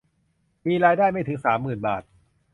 มีรายได้ไม่ถึง สามหมื่น บาท